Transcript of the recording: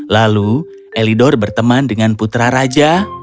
lalu elidor berteman dengan putra raja